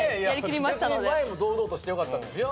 別に前も堂々としてよかったんですよ。